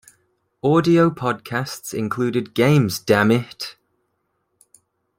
Audio podcasts included Games, Dammit!